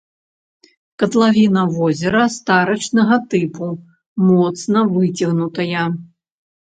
Катлавіна возера старычнага тыпу, моцна выцягнутая.